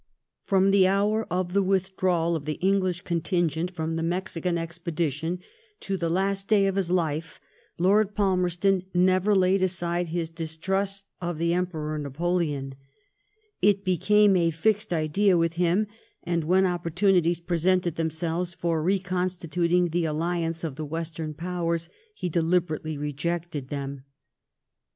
From the hour of the withdrawal of the English con tingent from the Mexican expedition to the last day of his life, Lord Palmerston never laid aside his distrust of the Emperor Napoleon, It became a fixed idea with him, and when opportunities presented themselves for reconstituting the alliance of the Western Powers he deliberately rejected them.